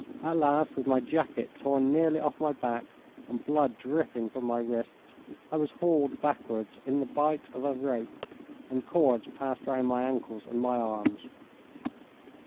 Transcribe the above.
At last, with my jacket torn nearly off my back and blood dripping from my wrists, I was hauled backwards in the bight of a rope and cords passed round my ankles and my arms.